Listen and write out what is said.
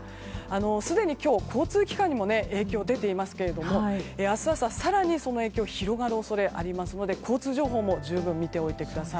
すでに今日交通機関にも影響が出ていますが明日朝、更にその影響が広がる恐れがありますので交通情報も十分見ておいてください。